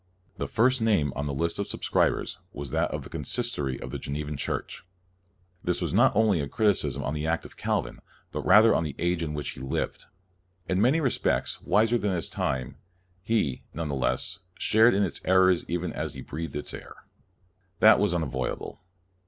The first name on the list of subscribers was that of the Consistory of CALVIN 119 the Genevan Church. This was not a criticism on the act of Calvin, but rather on the age in which he lived. In many respects wiser than his time, he, never theless, shared in its errors, even as he breathed its air. That was unavoidable.